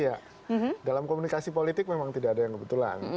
ya dalam komunikasi politik memang tidak ada yang kebetulan